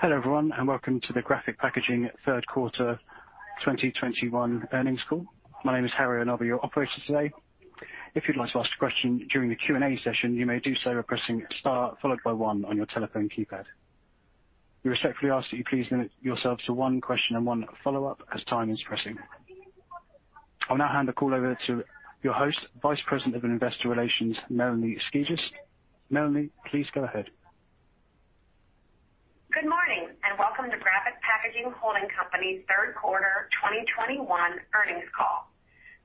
Hello, everyone, and welcome to the Graphic Packaging third quarter 2021 earnings call. My name is Harry, and I'll be your operator today. If you'd like to ask a question during the Q&A session, you may do so by pressing Star followed by one on your telephone keypad. We respectfully ask that you please limit yourselves to one question and one follow-up as time is pressing. I'll now hand the call over to your host, Vice President of Investor Relations, Melanie Skijus. Melanie, please go ahead. Good morning, and welcome to Graphic Packaging Holding Company's third quarter 2021 earnings call.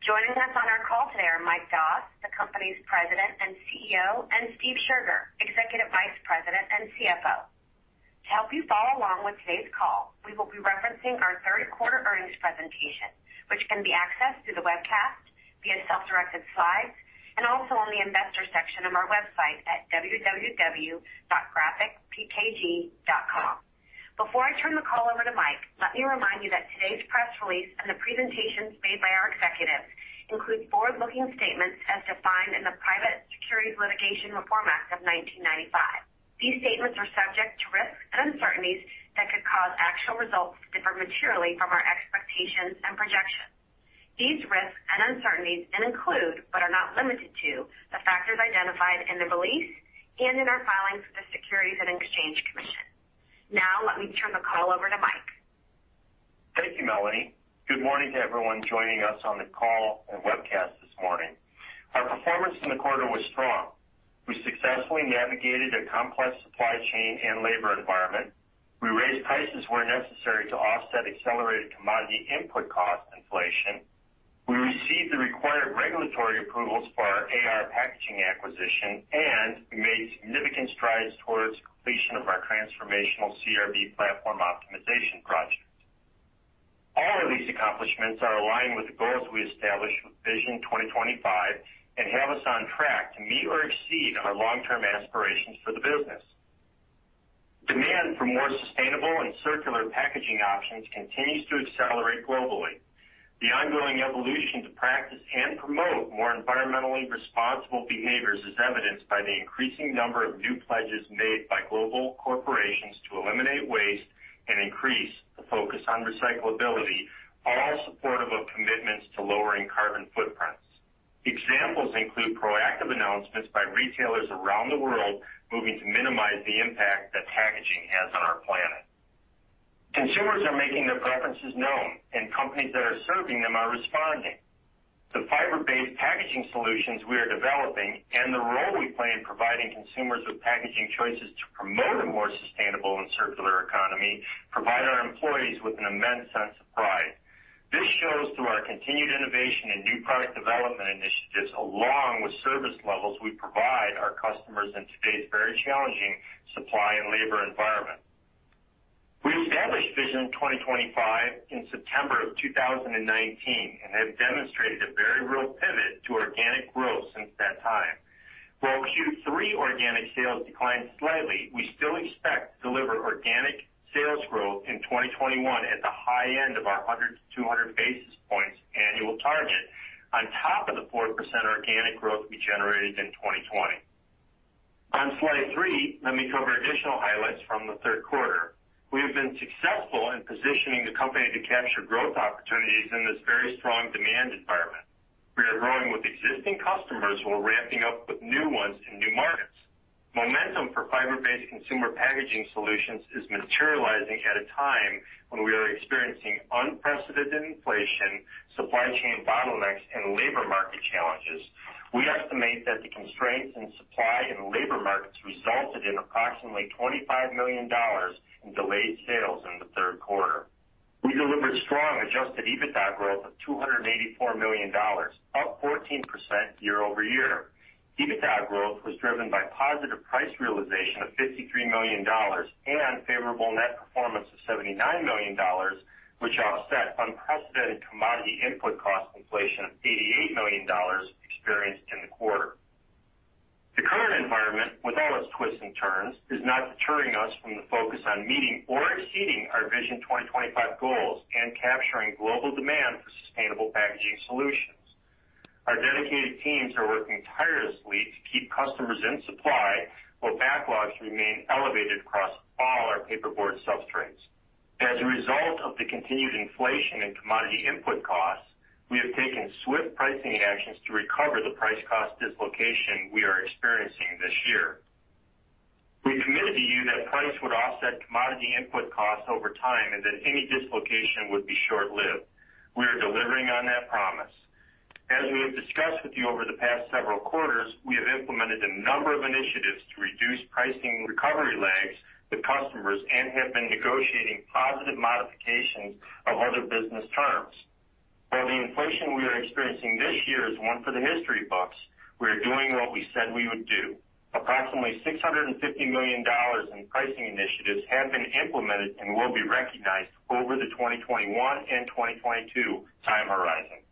Joining us on our call today are Mike Doss, the company's President and CEO, and Steve Scherger, Executive Vice President and CFO. To help you follow along with today's call, we will be referencing our third quarter earnings presentation, which can be accessed through the webcast via self-directed slides and also on the investor section of our website at www.graphicpkg.com. Before I turn the call over to Mike, let me remind you that today's press release and the presentations made by our executives include forward-looking statements as defined in the Private Securities Litigation Reform Act of 1995. These statements are subject to risks and uncertainties that could cause actual results to differ materially from our expectations and projections. These risks and uncertainties include, but are not limited to, the factors identified in the release and in our filings with the Securities and Exchange Commission. Now let me turn the call over to Mike. Thank you, Melanie. Good morning to everyone joining us on the call and webcast this morning. Our performance in the quarter was strong. We successfully navigated a complex supply chain and labor environment. We raised prices where necessary to offset accelerated commodity input cost inflation. We received the required regulatory approvals for our AR Packaging acquisition, and we made significant strides towards completion of our transformational CRB platform optimization project. All of these accomplishments are aligned with the goals we established with Vision 2025 and have us on track to meet or exceed our long-term aspirations for the business. Demand for more sustainable and circular packaging options continues to accelerate globally. The ongoing evolution to practice and promote more environmentally responsible behaviors is evidenced by the increasing number of new pledges made by global corporations to eliminate waste and increase the focus on recyclability, all supportive of commitments to lowering carbon footprints. Examples include proactive announcements by retailers around the world moving to minimize the impact that packaging has on our planet. Consumers are making their preferences known and companies that are serving them are responding. The fiber-based packaging solutions we are developing and the role we play in providing consumers with packaging choices to promote a more sustainable and circular economy provide our employees with an immense sense of pride. This shows through our continued innovation and new product development initiatives along with service levels we provide our customers in today's very challenging supply and labor environment. We established Vision 2025 in September 2019 and have demonstrated a very real pivot to organic growth since that time. While Q3 organic sales declined slightly, we still expect to deliver organic sales growth in 2021 at the high end of our 100-200 basis points annual target on top of the 4% organic growth we generated in 2020. On slide three, let me cover additional highlights from the third quarter. We have been successful in positioning the company to capture growth opportunities in this very strong demand environment. We are growing with existing customers while ramping up with new ones in new markets. Momentum for fiber-based consumer packaging solutions is materializing at a time when we are experiencing unprecedented inflation, supply chain bottlenecks, and labor market challenges. We estimate that the constraints in supply and labor markets resulted in approximately $25 million in delayed sales in the third quarter. We delivered strong adjusted EBITDA growth of $284 million, up 14% year-over-year. EBITDA growth was driven by positive price realization of $53 million and favorable net performance of $79 million, which offset unprecedented commodity input cost inflation of $88 million experienced in the quarter. The current environment, with all its twists and turns, is not deterring us from the focus on meeting or exceeding our Vision 2025 goals and capturing global demand for sustainable packaging solutions. Our dedicated teams are working tirelessly to keep customers in supply while backlogs remain elevated across all our paperboard substrates. As a result of the continued inflation in commodity input costs, we have taken swift pricing actions to recover the price cost dislocation we are experiencing this year. We committed to you that price would offset commodity input costs over time and that any dislocation would be short-lived. We are delivering on that promise. As we have discussed with you over the past several quarters, we have implemented a number of initiatives to reduce pricing recovery lags with customers and have been negotiating positive modifications of other business terms. While the inflation we are experiencing this year is one for the history books, we are doing what we said we would do. Approximately $650 million in pricing initiatives have been implemented and will be recognized over the 2021 and 2022 time horizon.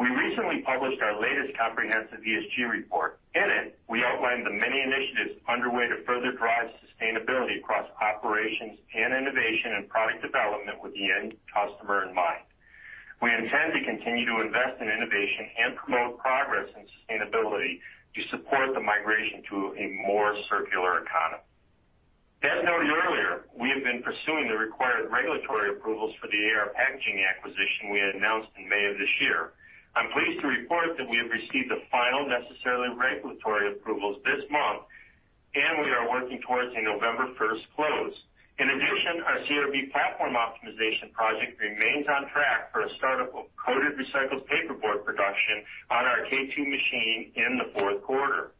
We recently published our latest comprehensive ESG report. In it, we outlined the many initiatives underway to further drive sustainability across operations and innovation and product development with the end customer in mind. We intend to continue to invest in innovation and promote progress and sustainability to support the migration to a more circular economy. As noted earlier, we have been pursuing the required regulatory approvals for the AR Packaging acquisition we had announced in May of this year. I'm pleased to report that we have received the final necessary regulatory approvals this month, and we are working towards a November first close. In addition, our CRB platform optimization project remains on track for a start-up of coated recycled paperboard production on our K2 machine in the fourth quarter.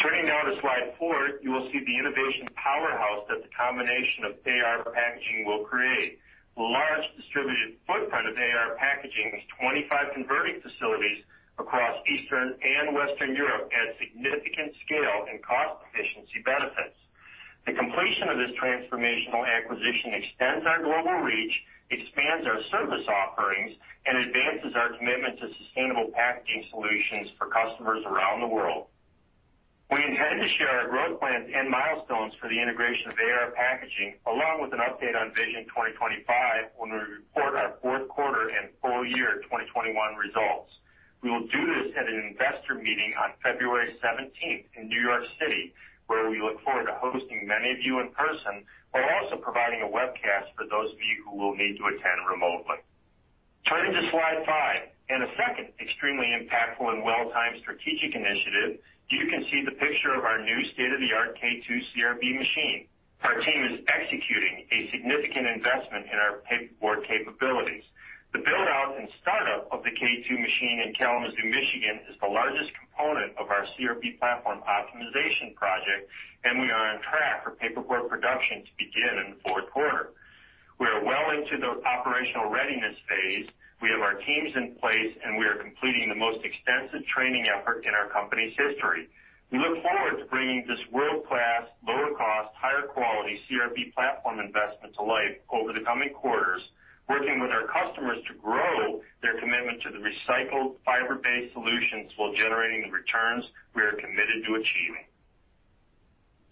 Turning now to slide four, you will see the innovation powerhouse that the combination of AR Packaging will create. The large distributed footprint of AR Packaging's 25 converting facilities across Eastern and Western Europe add significant scale and cost efficiency benefits. The completion of this transformational acquisition extends our global reach, expands our service offerings, and advances our commitment to sustainable packaging solutions for customers around the world. We intend to share our growth plans and milestones for the integration of AR Packaging, along with an update on Vision 2025 when we report our fourth quarter and full year 2021 results. We will do this at an investor meeting on February seventeenth in New York City, where we look forward to hosting many of you in person while also providing a webcast for those of you who will need to attend remotely. Turning to slide five, in a second extremely impactful and well-timed strategic initiative, you can see the picture of our new state-of-the-art K2 CRB machine. Our team is executing a significant investment in our paperboard capabilities. The build-out and start-up of the K2 machine in Kalamazoo, Michigan, is the largest component of our CRB platform optimization project, and we are on track for paperboard production to begin in the fourth quarter. We are well into the operational readiness phase. We have our teams in place, and we are completing the most extensive training effort in our company's history. We look forward to bringing this world-class, lower cost, higher quality CRB platform investment to life over the coming quarters, working with our customers to grow their commitment to the recycled fiber-based solutions while generating the returns we are committed to achieving.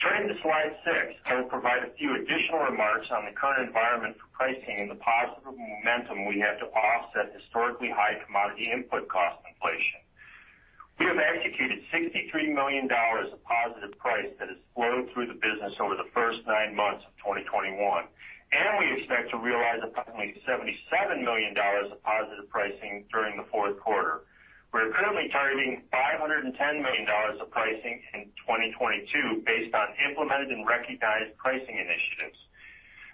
Turning to slide six, I will provide a few additional remarks on the current environment for pricing and the positive momentum we have to offset historically high commodity input cost inflation. We have executed $63 million of positive price that has flowed through the business over the first nine months of 2021, and we expect to realize approximately $77 million of positive pricing during the fourth quarter. We're currently targeting $510 million of pricing in 2022 based on implemented and recognized pricing initiatives.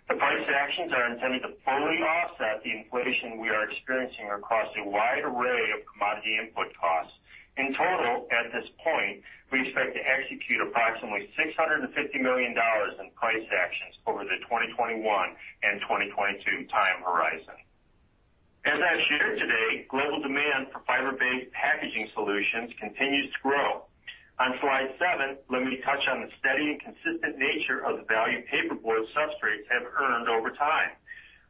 The price actions are intended to fully offset the inflation we are experiencing across a wide array of commodity input costs. In total, at this point, we expect to execute approximately $650 million in price actions over the 2021 and 2022 time horizon. As I shared today, global demand for fiber-based packaging solutions continues to grow. On slide seven, let me touch on the steady and consistent nature of the value paperboard substrates have earned over time.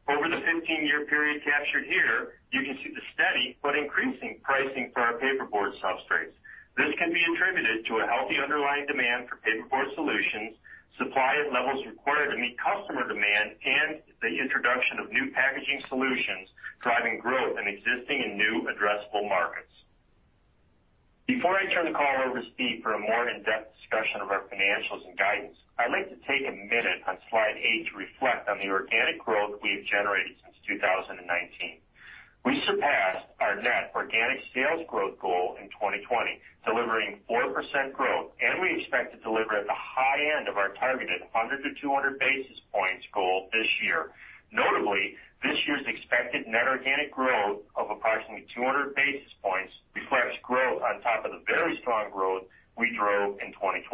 Over the 15-year period captured here, you can see the steady but increasing pricing for our paperboard substrates. This can be attributed to a healthy underlying demand for paperboard solutions, supply at levels required to meet customer demand, and the introduction of new packaging solutions driving growth in existing and new addressable markets. Before I turn the call over to Steve for a more in-depth discussion of our financials and guidance, I'd like to take a minute on slide eight to reflect on the organic growth we have generated since 2019. We surpassed our net organic sales growth goal in 2020, delivering 4% growth, and we expect to deliver at the high end of our targeted 100-200 basis points goal this year. Notably, this year's expected net organic growth of approximately 200 basis points reflects growth on top of the very strong growth we drove in 2020.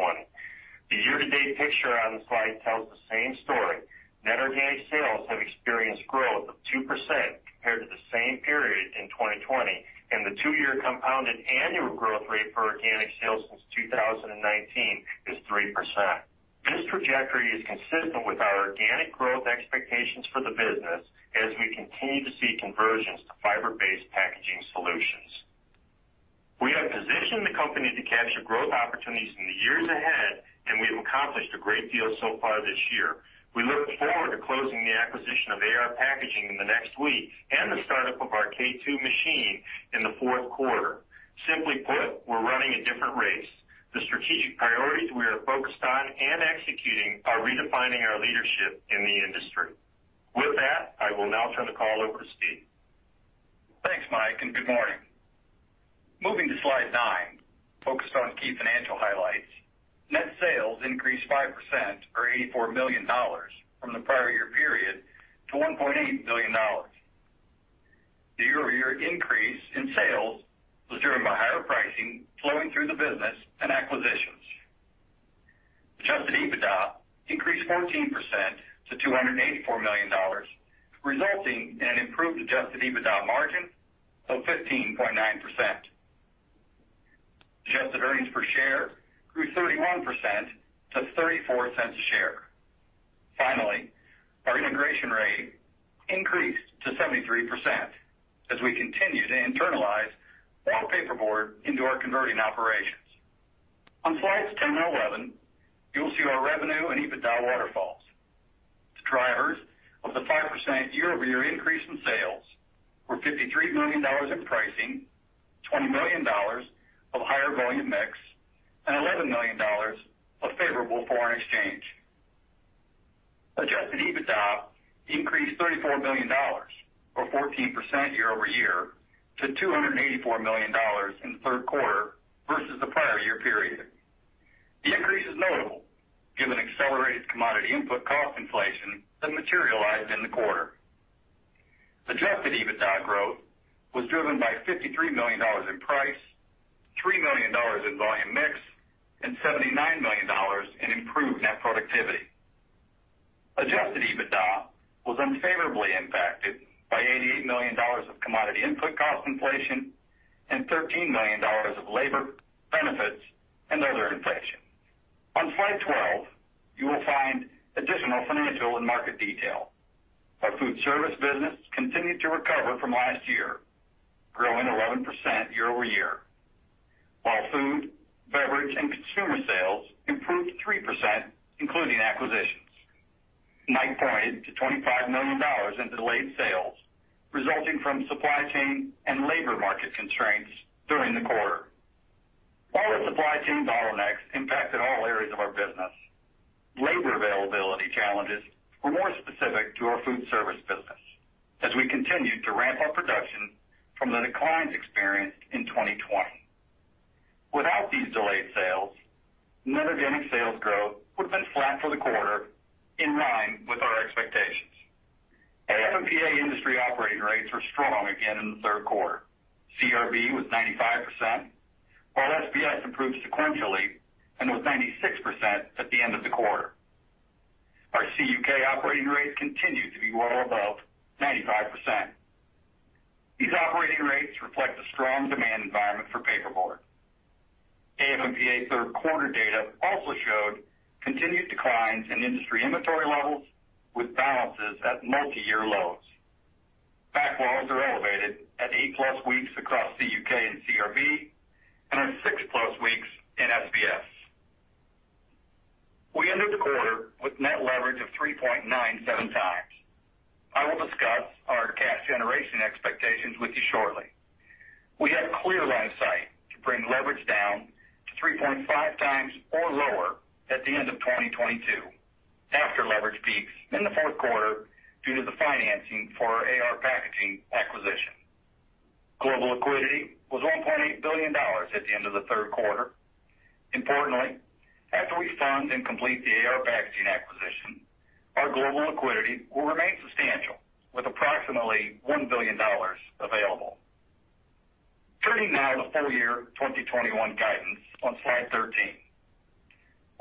The year-to-date picture on the slide tells the same story. Net organic sales have experienced growth of 2% compared to the same period in 2020, and the two-year compounded annual growth rate for organic sales since 2019 is 3%. This trajectory is consistent with our organic growth expectations for the business as we continue to see conversions to fiber-based packaging solutions. We have positioned the company to capture growth opportunities in the years ahead, and we have accomplished a great deal so far this year. We look forward to closing the acquisition of AR Packaging in the next week and the start-up of our K2 machine in the fourth quarter. Simply put, we're running a different race. The strategic priorities we are focused on and executing are redefining our leadership in the industry. With that, I will now turn the call over to Steve. Thanks, Mike, and good morning. Moving to slide nine, focused on key financial highlights. Net sales increased 5% or $84 million from the prior year period to $1.8 billion. The year-over-year increase in sales was driven by higher pricing flowing through the business and acquisitions. Adjusted EBITDA increased 14% to $284 million, resulting in an improved adjusted EBITDA margin of 15.9%. Adjusted earnings per share grew 31% to $0.34 a share. Finally, our integration rate increased to 73% as we continue to internalize more paperboard into our converting operations. On slides 10 and 11, you'll see our revenue and EBITDA waterfalls. The drivers of the 5% year-over-year increase in sales were $53 million in pricing, $20 million of higher volume mix, and $11 million of favorable foreign exchange. Adjusted EBITDA increased $34 million or 14% year-over-year to $284 million in the third quarter versus the prior year period. The increase is notable given accelerated commodity input cost inflation that materialized in the quarter. Adjusted EBITDA growth was driven by $53 million in price, $3 million in volume mix, and $79 million in improved net productivity. Adjusted EBITDA was unfavorably impacted by $88 million of commodity input cost inflation and $13 million of labor benefits and other inflation. On slide 12, you will find additional financial and market detail. Our food service business continued to recover from last year, growing 11% year-over-year. While food, beverage, and consumer sales improved 3% including acquisitions. Mike pointed to $25 million in delayed sales resulting from supply chain and labor market constraints during the quarter. While the supply chain bottlenecks impacted all areas of our business, labor availability challenges were more specific to our food service business as we continued to ramp up production from the declines experienced in 2020. Without these delayed sales, net organic sales growth would have been flat for the quarter in line with our expectations. AF&PA industry operating rates were strong again in the third quarter. CRB was 95%, while SBS improved sequentially and was 96% at the end of the quarter. Our CUK operating rates continued to be well above 95%. These operating rates reflect a strong demand environment for paperboard. AF&PA third quarter data also showed continued declines in industry inventory levels with balances at multiyear lows. Backlogs are elevated at 8+ weeks across CUK and CRB and are 6+ weeks in SBS. We ended the quarter with net leverage of 3.97x. I will discuss our cash generation expectations with you shortly. We have clear line of sight to bring leverage down to 3.5x or lower at the end of 2022 after leverage peaks in the fourth quarter due to the financing for our AR Packaging acquisition. Global liquidity was $1.8 billion at the end of the third quarter. Importantly, after we fund and complete the AR Packaging acquisition, our global liquidity will remain substantial with approximately $1 billion available. Turning now to full year 2021 guidance on slide 13.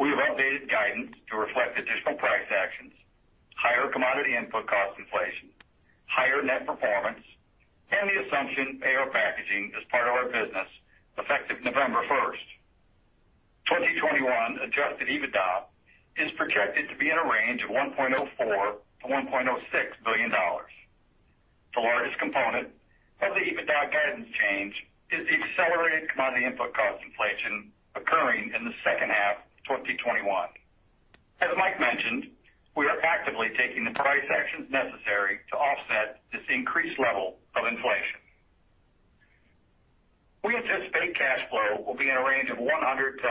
We have updated guidance to reflect additional price actions, higher commodity input cost inflation, higher net performance, and the assumption AR Packaging is part of our business effective November 1. 2021 adjusted EBITDA is projected to be in a range of $1.04 billion-$1.06 billion. The largest component of the EBITDA guidance change is the accelerated commodity input cost inflation occurring in the second half of 2021. As Mike mentioned, we are actively taking the price actions necessary to offset this increased level of inflation. We anticipate cash flow will be in a range of $100 million-$150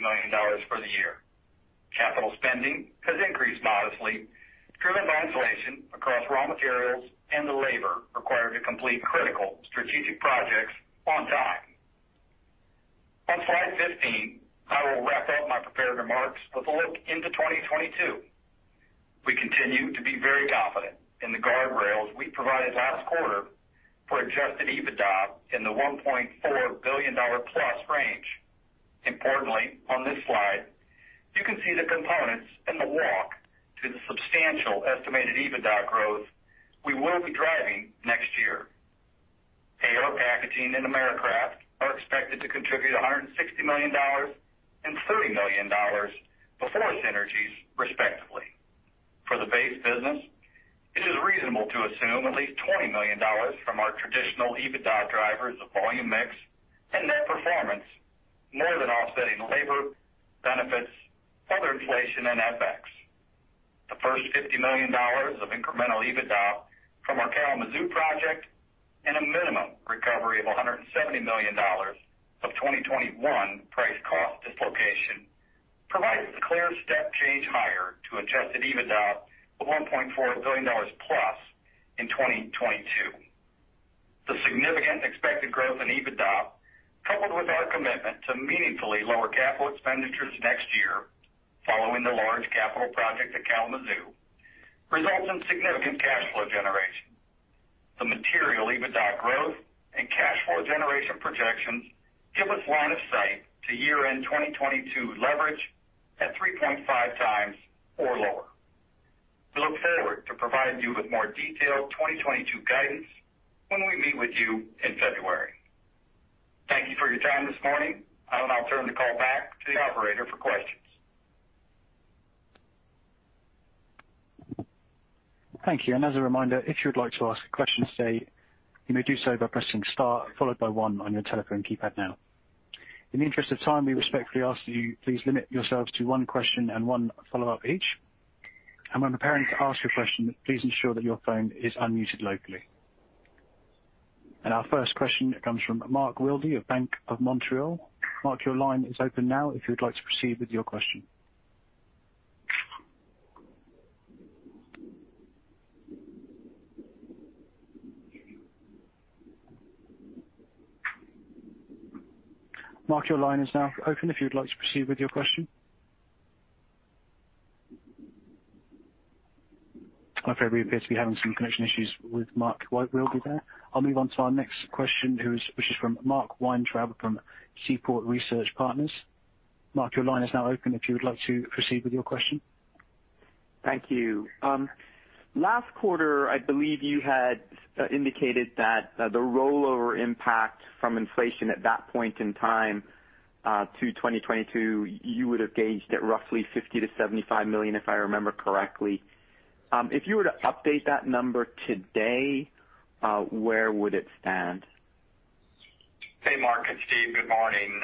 million for the year. Capital spending has increased modestly, driven by inflation across raw materials and the labor required to complete critical strategic projects on time. On slide 15, I will wrap up my prepared remarks with a look into 2022. We continue to be very confident in the guardrails we provided last quarter for adjusted EBITDA in the $1.4 billion+ range. Importantly, on this slide, you can see the components in the walk to the substantial estimated EBITDA growth we will be driving next year. AR Packaging and Americraft are expected to contribute $160 million and $30 million before synergies, respectively. For the base business, it is reasonable to assume at least $20 million from our traditional EBITDA drivers of volume mix and net performance more than offsetting labor, benefits, other inflation, and FX. The first $50 million of incremental EBITDA from our Kalamazoo project and a minimum recovery of $170 million of 2021 price cost dislocation provides a clear step change higher to adjusted EBITDA of $1.4 billion plus in 2022. The significant expected growth in EBITDA, coupled with our commitment to meaningfully lower capital expenditures next year following the large capital project at Kalamazoo, results in significant cash flow generation. The material EBITDA growth and cash flow generation projections give us line of sight to year-end 2022 leverage at 3.5x or lower. We look forward to providing you with more detailed 2022 guidance when we meet with you in February. Thank you for your time this morning. I will now turn the call back to the operator for questions. Thank you. As a reminder, if you would like to ask a question today, you may do so by pressing star followed by one on your telephone keypad now. In the interest of time, we respectfully ask that you please limit yourselves to one question and one follow-up each. When preparing to ask your question, please ensure that your phone is unmuted locally. Our first question comes from Mark Wilde of BMO Capital Markets. Mark, your line is open now if you'd like to proceed with your question. Mark, your line is now open if you'd like to proceed with your question. I fear we appear to be having some connection issues with Mark Wilde there. I'll move on to our next question, which is from Mark Weintraub from Seaport Research Partners. Mark, your line is now open if you would like to proceed with your question. Thank you. Last quarter, I believe you had indicated that the rollover impact from inflation at that point in time to 2022, you would have gauged at roughly $50 million-$75 million, if I remember correctly. If you were to update that number today, where would it stand? Hey, Mark, it's Steve. Good morning.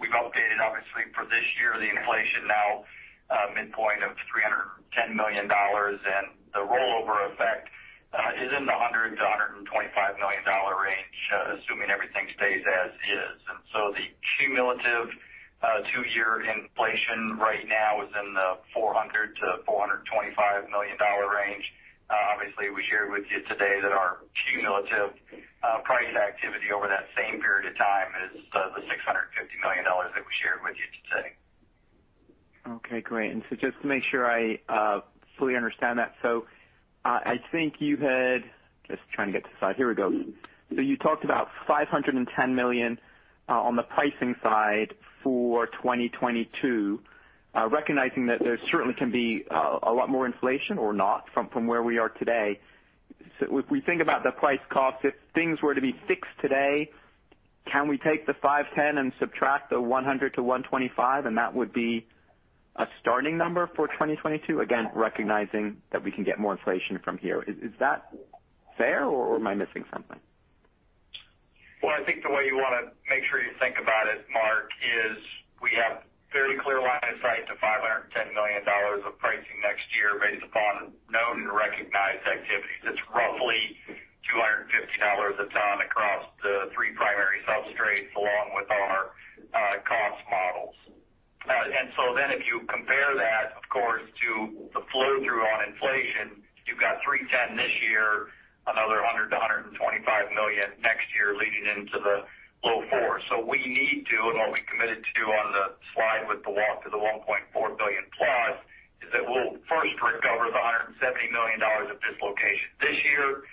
We've updated, obviously, for this year the inflation now, midpoint of $310 million, and the rollover effect is in the $100 miilion-$125 million range, assuming everything stays as is. The cumulative two-year inflation right now is in the $400 million-$425 million range. Obviously, we shared with you today that our cumulative price activity over that same period of time is the $650 million that we shared with you today. Okay, great. Just to make sure I fully understand that. Just trying to get to the slide. Here we go. You talked about $510 million on the pricing side for 2022. Recognizing that there certainly can be a lot more inflation or not from where we are today. If we think about the price cost, if things were to be fixed today, can we take the $510 million and subtract the $100 million-$125 million, and that would be a starting number for 2022? Again, recognizing that we can get more inflation from here. Is that fair, or am I missing something? Well, I think the way you wanna make sure you think about it, Mark, is we have very clear line of sight to $510 million of pricing next year based upon known and recognized activities. It's roughly $250 a ton across the three primary substrates along with our cost models. If you compare that, of course, to the flow-through on inflation, you've got $310 million this year, another $100 million-$125 million next year leading into the low $400 million. What we committed to on the slide with the walk to the $1.4 billion+ is that we'll first recover the $170 million of dislocation this year.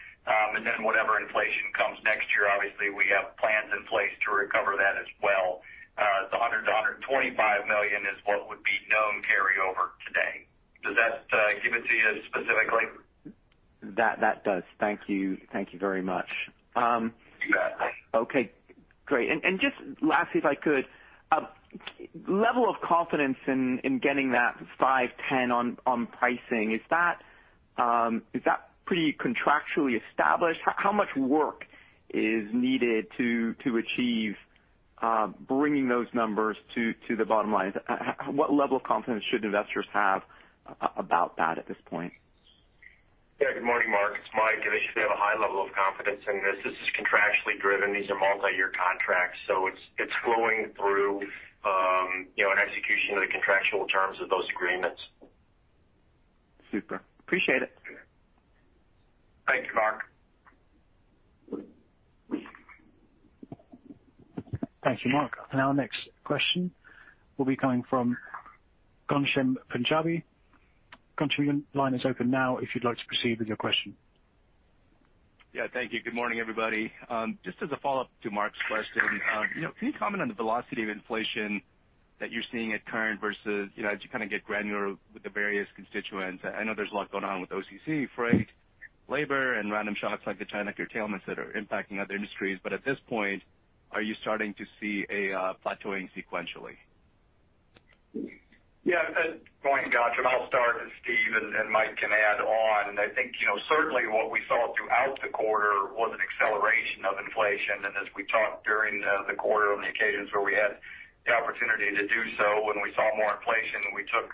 Whatever inflation comes next year, obviously, we have plans in place to recover that as well. The $100 million-$125 million is what would be known as carryover today. Does that give it to you specifically? That does. Thank you. Thank you very much. You got it. Okay, great. Just lastly, if I could, level of confidence in getting that 5-10 on pricing, is that pretty contractually established? How much work is needed to achieve bringing those numbers to the bottom line? What level of confidence should investors have about that at this point? Yeah. Good morning, Mark. It's Mike. They should have a high level of confidence in this. This is contractually driven. These are multi-year contracts, so it's flowing through, you know, an execution of the contractual terms of those agreements. Super. Appreciate it. Thank you, Mark. Thank you, Mark. Our next question will be coming from Ghansham Panjabi. Ghansham, your line is open now if you'd like to proceed with your question. Yeah, thank you. Good morning, everybody. Just as a follow-up to Mark's question, you know, can you comment on the velocity of inflation that you're seeing at current versus, you know, as you kind of get granular with the various constituents? I know there's a lot going on with OCC, freight, labor, and random shocks like the China curtailments that are impacting other industries. But at this point, are you starting to see a plateauing sequentially? Yeah. Good point, Ghansham. I'll start, Steve and Mike can add on. I think, you know, certainly what we saw throughout the quarter was an acceleration of inflation. As we talked during the quarter on the occasions where we had the opportunity to do so, when we saw more inflation, we took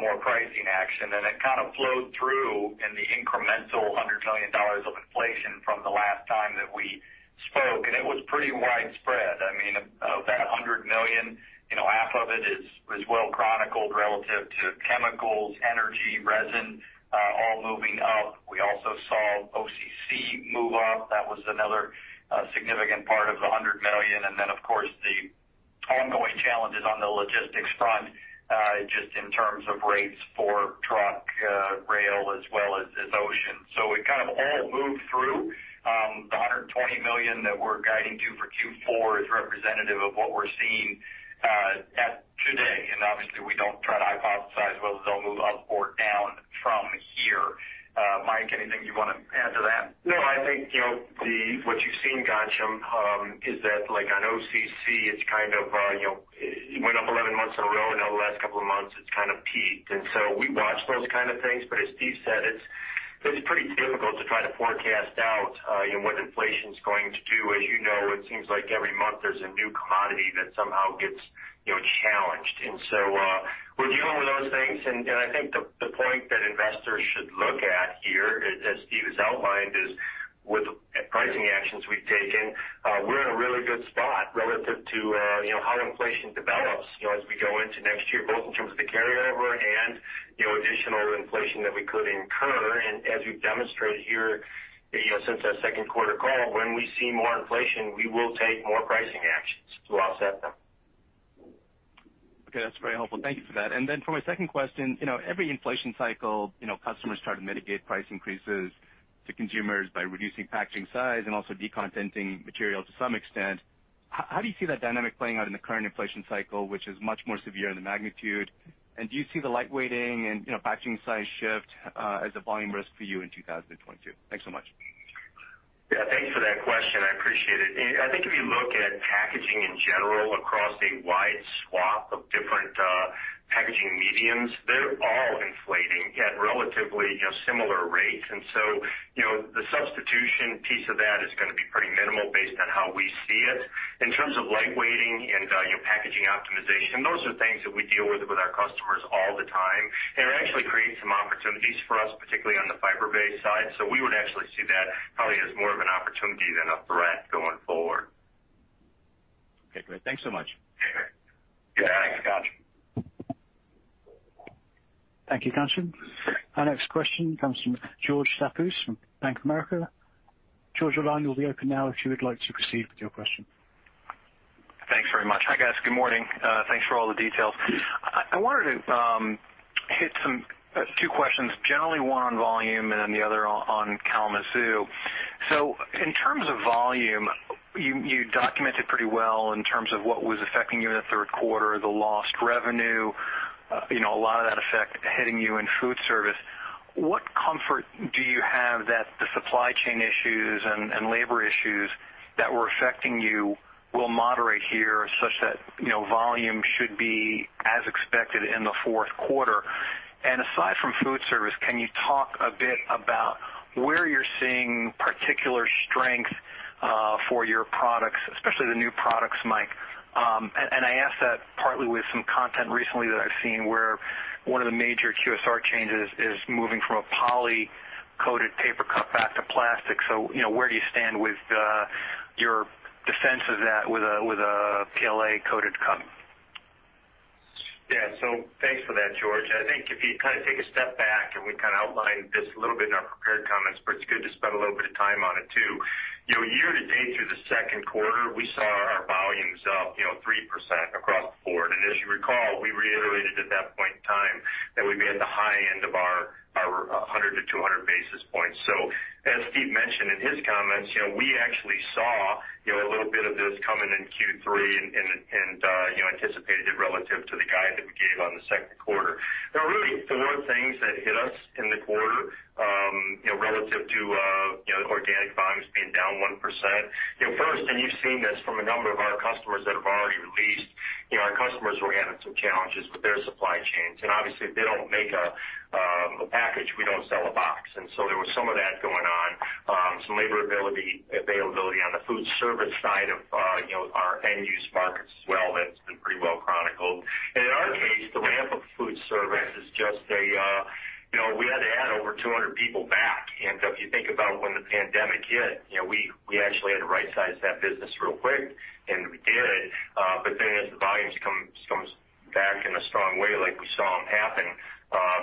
more pricing action. It kind of flowed through in the incremental $100 million of inflation from the last time that we spoke. It was pretty widespread. I mean, of that $100 million, you know, half of it is well chronicled relative to chemicals, energy, resin, all moving up. We also saw OCC move up. That was another significant part of the $100 million. Then, of course, the ongoing challenges on the logistics front, just in terms of rates for truck, rail, as well as ocean. It kind of all moved through. The $120 million that we're guiding to for Q4 is representative of what we're seeing today. Obviously, we don't try to hypothesize whether they'll move up or down from here. Mike, anything you wanna add to that? No, I think, you know, what you've seen, Ghansham, is that like on OCC, it's kind of, you know, it went up 11 months in a row. Last couple of months, it's kind of peaked. We watch those kind of things. As Steve said, it's pretty difficult to try to forecast out what inflation is going to do. As you know, it seems like every month there's a new commodity that somehow gets you know, challenged. We're dealing with those things. I think the point that investors should look at here, as Steve has outlined, is with pricing actions we've taken, we're in a really good spot relative to you know, how inflation develops, you know, as we go into next year, both in terms of the carryover and you know, additional inflation that we could incur. As we've demonstrated here, you know, since that second quarter call, when we see more inflation, we will take more pricing actions to offset them. Okay, that's very helpful. Thank you for that. For my second question, you know, every inflation cycle, you know, customers try to mitigate price increases to consumers by reducing packaging size and also decontenting material to some extent. How do you see that dynamic playing out in the current inflation cycle, which is much more severe in the magnitude? Do you see the lightweighting and, you know, packaging size shift as a volume risk for you in 2022? Thanks so much. Yeah, thanks for that question. I appreciate it. I think if you look at packaging in general across a wide swath of different packaging mediums, they're all inflating at relatively, you know, similar rates. You know, the substitution piece of that is gonna be pretty minimal based on how we see it. In terms of lightweighting and you know, packaging optimization, those are things that we deal with our customers all the time. It actually creates some opportunities for us, particularly on the fiber-based side. We would actually see that probably as more of an opportunity than a threat going forward. Okay, great. Thanks so much. Yeah. Thanks, Ghansham. Thank you, Ghansham. Our next question comes from George Staphos from Bank of America. George, your line will be open now if you would like to proceed with your question. Thanks very much. Hi, guys. Good morning. Thanks for all the details. I wanted to hit two questions, generally one on volume and then the other on Kalamazoo. In terms of volume, you documented pretty well in terms of what was affecting you in the third quarter, the lost revenue, you know, a lot of that effect hitting you in food service. What comfort do you have that the supply chain issues and labor issues that were affecting you will moderate here such that, you know, volume should be as expected in the fourth quarter? Aside from food service, can you talk a bit about where you're seeing particular strength for your products, especially the new products, Mike? I ask that partly with some content recently that I've seen where one of the major QSR changes is moving from a poly-coated paper cup back to plastic. You know, where do you stand with the, your defense of that with a PLA-coated cup? Yeah. Thanks for that, George. I think if you kind of take a step back, and we kind of outlined this a little bit in our prepared comments, but it's good to spend a little bit of time on it, too. You know, year to date through the second quarter, we saw our volumes up, you know, 3% across the board. As you recall, we reiterated at that point in time that we'd be at the high end of our 100-200 basis points. As Steve mentioned in his comments, you know, we actually saw, you know, a little bit of this coming in Q3 and you know, anticipated it relative to the guide that we gave on the second quarter. There are really four things that hit us in the quarter, you know, relative to, you know, organic volumes being down 1%. You know, first, you've seen this from a number of our customers that have already released, you know, our customers were having some challenges with their supply chains. Obviously, if they don't make a package, we don't sell a box. There was some of that going on. Some labor availability on the food service side of, you know, our end use markets as well that's been pretty well chronicled. In our case, the ramp of food service is just a, you know, we had to add over 200 people back. If you think about when the pandemic hit, you know, we actually had to right-size that business real quick, and we did. As the volumes comes back in a strong way like we saw them happen,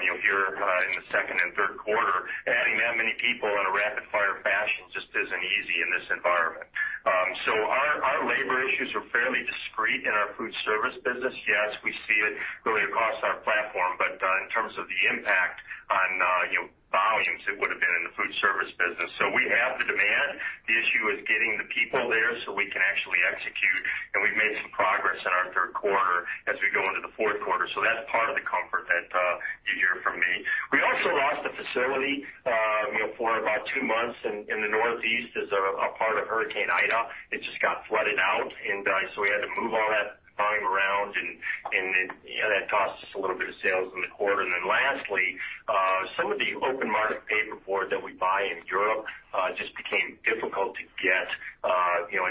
you know, here, in the second and third quarter, adding that many people in a rapid fire fashion just isn't easy in this environment. Our labor issues are fairly discrete in our food service business. Yes, we see it really across our platform, but in terms of the impact on, you know, volumes, it would have been in the food service business. We have the demand. The issue is getting the people there so we can actually execute. We've made some progress in our third quarter as we go into the fourth quarter. That's part of the comfort that you hear from me. We also lost a facility for about two months in the Northeast as a part of Hurricane Ida. It just got flooded out. We had to move all that volume around and that cost us a little bit of sales in the quarter. Then lastly, some of the open market paperboard that we buy in Europe just became difficult to get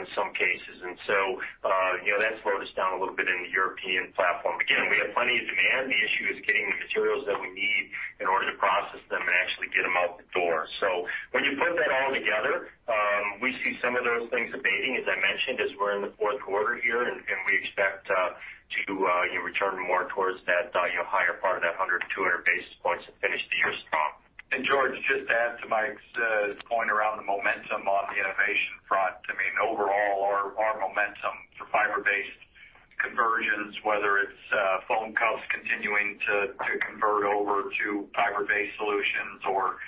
in some cases. That slowed us down a little bit in the European platform. Again, we have plenty of demand. The issue is getting the materials that we need in order to process them and actually get them out the door. When you put that all together, we see some of those things abating, as I mentioned, as we're in the fourth quarter here, and we expect to, you know, return more towards that, you know, higher part of that 100-200 basis points and finish the year strong. George, just to add to Mike's point around the momentum on the innovation front, I mean, overall our momentum for fiber-based conversions, whether it's foam cups continuing to convert over to fiber-based solutions or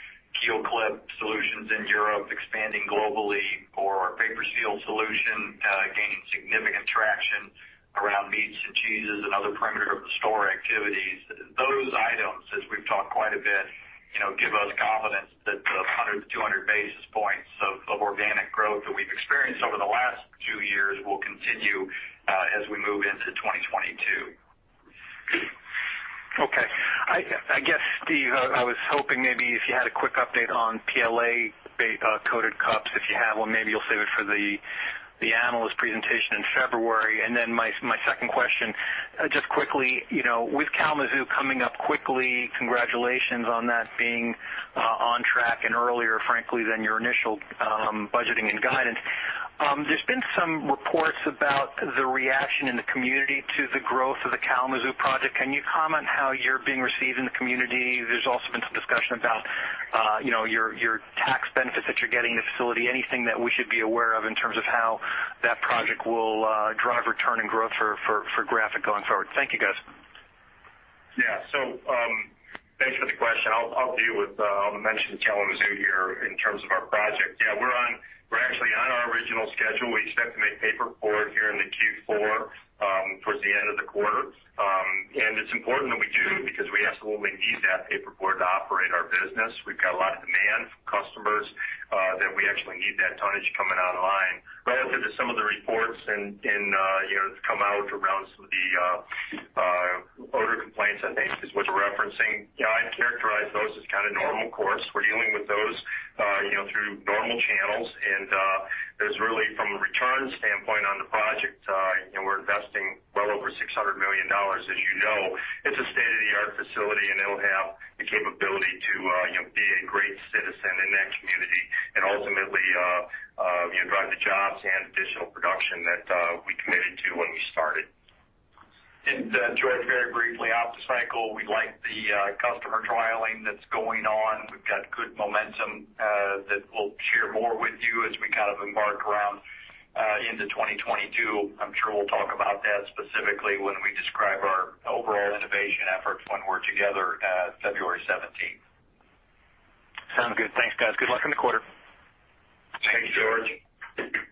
KeelClip solutions in Europe expanding globally or PaperSeal solution gaining significant traction around meats and cheeses and other perimeter of the store activities. We've talked quite a bit, you know, give us confidence that the 100-200 basis points of organic growth that we've experienced over the last two years will continue as we move into 2022. Okay. I guess, Steve, I was hoping maybe if you had a quick update on PLA-based coated cups, if you have one, maybe you'll save it for the analyst presentation in February. Then my second question, just quickly, you know, with Kalamazoo coming up quickly, congratulations on that being on track and earlier, frankly, than your initial budgeting and guidance. There's been some reports about the reaction in the community to the growth of the Kalamazoo project. Can you comment how you're being received in the community? There's also been some discussion about, you know, your tax benefits that you're getting in the facility. Anything that we should be aware of in terms of how that project will drive return and growth for Graphic going forward? Thank you, guys. Yeah, thanks for the question. I'll deal with mentioning Kalamazoo here in terms of our project. Yeah, we're actually on our original schedule. We expect to make paperboard here in the Q4, towards the end of the quarter. It's important that we do because we absolutely need that paperboard to operate our business. We've got a lot of demand from customers that we actually need that tonnage coming online. Relative to some of the reports and, you know, that's come out around some of the odor complaints, I think, is what you're referencing. Yeah, I'd characterize those as kind of normal course. We're dealing with those, you know, through normal channels. There's really from a return standpoint on the project, you know, we're investing well over $600 million, as you know. It's a state-of-the-art facility, and it'll have the capability to, you know, be a great citizen in that community and ultimately, you know, drive the jobs and additional production that, we committed to when we started. George, very briefly, OptiCycle, we like the customer trialing that's going on. We've got good momentum that we'll share more with you as we kind of embark around into 2022. I'm sure we'll talk about that specifically when we describe our overall innovation efforts when we're together at February seventeenth. Sounds good. Thanks, guys. Good luck in the quarter. Thank you, George. Thank you.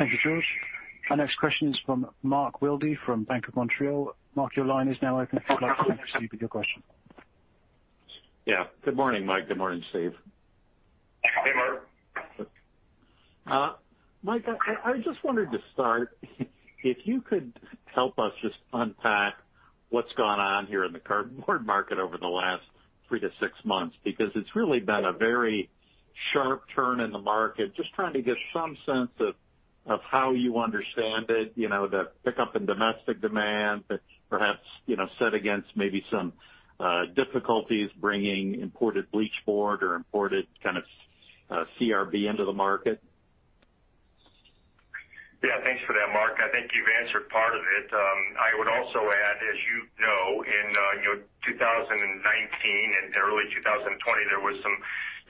Thank you, George. Our next question is from Mark Wilde from BMO Capital Markets. Mark, your line is now open if you'd like to proceed with your question. Yeah. Good morning, Mike. Good morning, Steve. Hey, Mark. Mike, I just wanted to start, if you could help us just unpack what's gone on here in the cardboard market over the last three-six months, because it's really been a very sharp turn in the market. Just trying to get some sense of how you understand it, you know, the pickup in domestic demand that perhaps, you know, set against maybe some difficulties bringing imported bleached board or imported kind of CRB into the market. Yeah. Thanks for that, Mark. I think you've answered part of it. I would also add, as you know, in 2019 and early 2020, there was some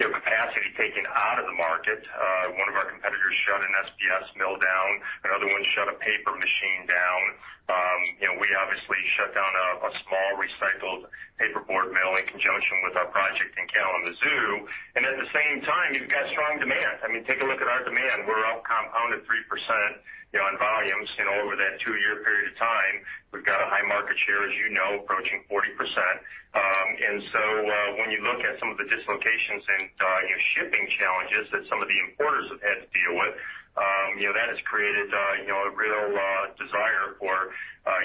capacity taken out of the market. One of our competitors shut an SBS mill down. Another one shut a paper machine down. We obviously shut down a small recycled paperboard mill in conjunction with our project in Kalamazoo. At the same time, you've got strong demand. I mean, take a look at our demand. We're up compounded 3%, you know, on volumes, you know, over that two-year period of time. We've got a high market share, as you know, approaching 40%. When you look at some of the dislocations and, you know, shipping challenges that some of the importers have had to deal with, you know, that has created, you know, a real, desire for,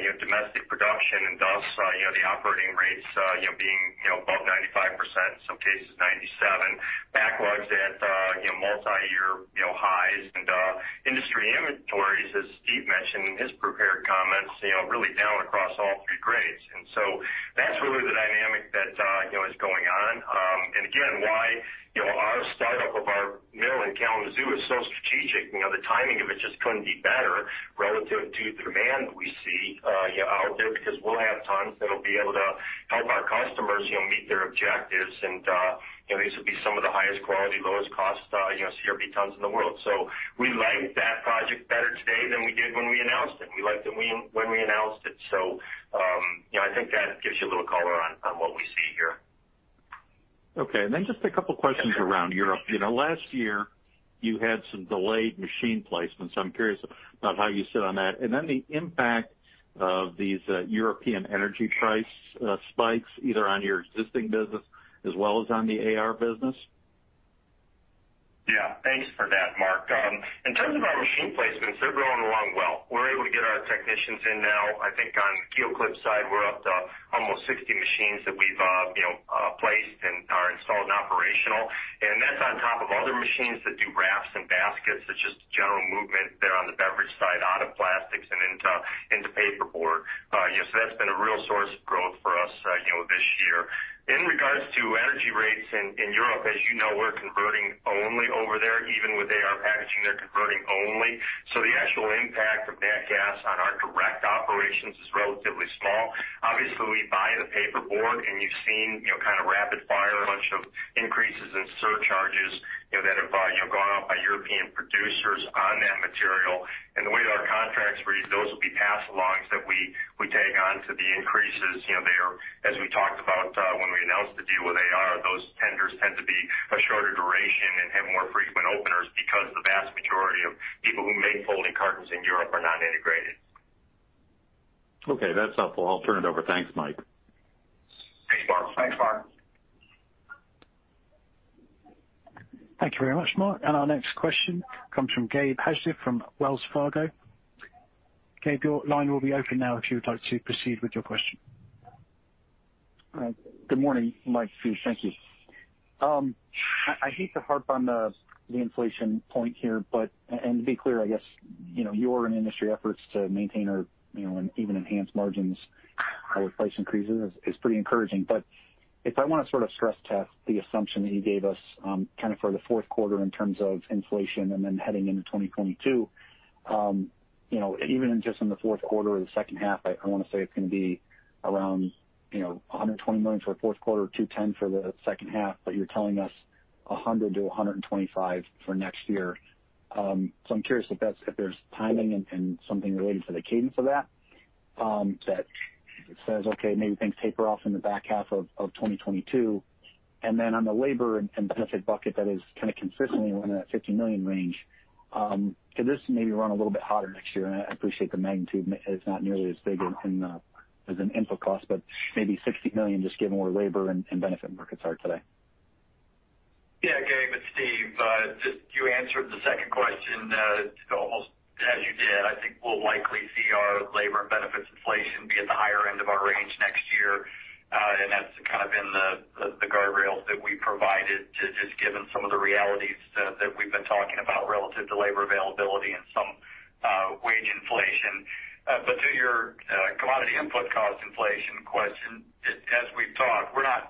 you know, domestic production, and thus, you know, the operating rates, you know, being, you know, above 95%, in some cases 97%. Backlogs at, you know, multiyear, you know, highs and, industry inventories, as Steve mentioned in his prepared comments, you know, really down across all three grades. That's really the dynamic that, you know, is going on. Again, why, you know, our startup of our mill in Kalamazoo is so strategic. You know, the timing of it just couldn't be better relative to the demand we see, you know, out there because we'll have tons that'll be able to help our customers, you know, meet their objectives. You know, these will be some of the highest quality, lowest cost, you know, CRB tons in the world. We like that project better today than we did when we announced it. We liked it when we announced it. You know, I think that gives you a little color on what we see here. Okay. Just a couple of questions around Europe. You know, last year, you had some delayed machine placements. I'm curious about how you sit on that. The impact of these European energy price spikes, either on your existing business as well as on the AR business. Yeah. Thanks for that, Mark. In terms of our machine placements, they're going along well. We're able to get our technicians in now. I think on KeelClip side, we're up to almost 60 machines that we've placed and are installed and operational. That's on top of other machines that do wraps and baskets. That's just a general movement there on the beverage side, out of plastics and into paperboard. You know, that's been a real source of growth for us this year. In regards to energy rates in Europe, as you know, we're converting only over there. Even with AR Packaging, they're converting only. The actual impact of that gas on our direct operations is relatively small. Obviously, we buy the paperboard, and you've seen, you know, kind of rapid fire, a bunch of increases in surcharges, you know, that have gone up by European producers on that material. The way that our contracts read, those will be pass-alongs that we tag on to the increases. You know, they are, as we talked about, when we announced the deal with AR, those tenders tend to be a shorter duration and have more frequent openers because the vast majority of people who make folding cartons in Europe are not integrated. Okay, that's helpful. I'll turn it over. Thanks, Mike. Thanks, Mark. Thanks, Mark. Thank you very much, Mark. Our next question comes from Gabe Hajde from Wells Fargo Securities. Gabe, your line will be open now if you would like to proceed with your question. All right. Good morning, Mike, Steve. Thank you. I hate to harp on the inflation point here, but, and to be clear, I guess, you know, your and the industry's efforts to maintain or, you know, and even enhance margins with price increases is pretty encouraging. If I want to sort of stress test the assumption that you gave us, kind of for the fourth quarter in terms of inflation and then heading into 2022, you know, even in just the fourth quarter or the second half, I want to say it's going to be around, you know, $120 million for fourth quarter, $210 million for the second half, but you're telling us $100 million-$125 million for next year. I'm curious if there's timing and something related to the cadence of that that says, okay, maybe things taper off in the back half of 2022. Then on the labor and benefit bucket that is kinda consistently within that $50 million range, could this maybe run a little bit hotter next year? I appreciate the magnitude is not nearly as big in as an input cost, but maybe $60 million just given where labor and benefit markets are today. Yeah. Gabe, it's Steve. Just as you answered the second question, almost as you did. I think we'll likely see our labor and benefits inflation be at the higher end of our range next year. And that's kind of in the guardrails that we provided, just given some of the realities that we've been talking about relative to labor availability and some wage inflation. But to your commodity input cost inflation question, as we've talked, we're not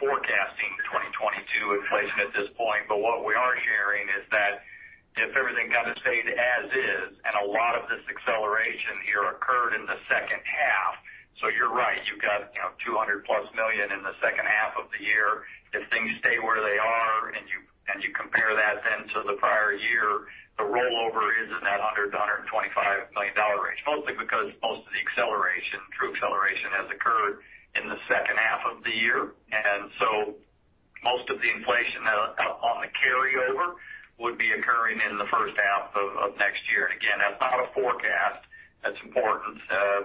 forecasting 2022 inflation at this point. But what we are hearing is that if everything kinda stayed as is, and a lot of this acceleration here occurred in the second half, so you're right, you've got, you know, $200+ million in the second half of the year. If things stay where they are and you compare that then to the prior year, the rollover is in that $100 million-$125 million range, mostly because most of the acceleration, true acceleration has occurred in the second half of the year. Most of the inflation on the carryover would be occurring in the first half of next year. Again, that's not a forecast. That's important.